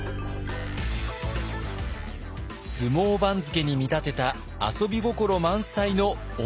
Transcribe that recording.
相撲番付に見立てた遊び心満載の温泉番付。